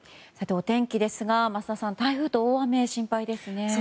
お天気ですが、桝田さん台風と大雨、心配ですね。